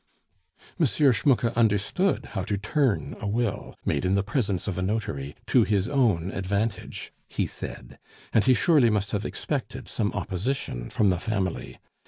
"M. Schmucke understood how to turn a will, made in the presence of a notary, to his own advantage," he said, "and he surely must have expected some opposition from the family.